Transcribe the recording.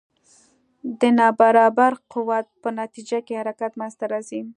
د نا برابر قوت په نتیجه کې حرکت منځته راځي.